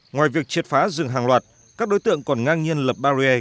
ngoài việc triệt phá rừng hàng loạt các đối tượng còn ngang nhiên lập barrier